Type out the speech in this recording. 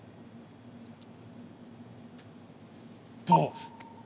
どう？